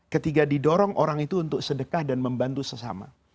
ketiga didorong orang itu untuk sedekah dan membantu sesama